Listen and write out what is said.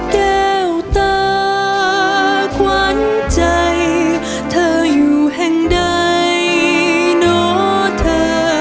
แก้วตาขวัญใจเธออยู่แห่งใดเนาะเธอ